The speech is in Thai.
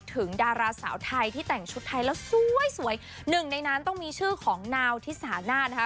ดาราสาวไทยที่แต่งชุดไทยแล้วสวยสวยหนึ่งในนั้นต้องมีชื่อของนาวที่สานาศนะคะ